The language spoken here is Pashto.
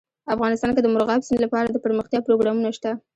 افغانستان کې د مورغاب سیند لپاره دپرمختیا پروګرامونه شته.